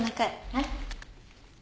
はい。